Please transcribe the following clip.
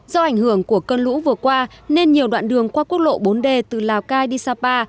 do ảnh hưởng của cơn lũ vừa qua nên nhiều đoạn đường qua quốc lộ bốn d từ lào cai đi sapa